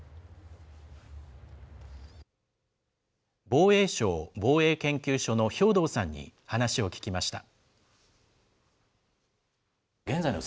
防衛省防衛研究所の兵頭さんに話を聞きました。